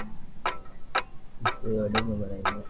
Mifugo wadogo mara nyingi pia huwekwa ndani ya enkaji